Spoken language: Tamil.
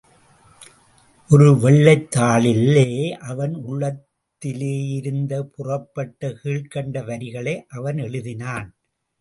ஒரு வெள்ளைத் தாளிலே, அவன் உள்ளத்திலேயிருந்து புறப்பட்ட கீழ்க்கண்ட வரிகளை அவன் எழுதினான்.